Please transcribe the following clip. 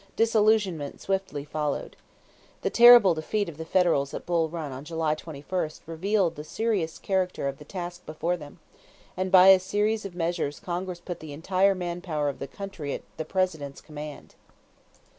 Disillusionment swiftly followed. The terrible defeat of the Federals at Bull Run on July 21 revealed the serious character of the task before them; and by a series of measures Congress put the entire man power of the country at the President's command.